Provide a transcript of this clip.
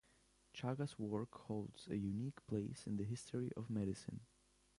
Chagas' work holds a unique place in the history of medicine.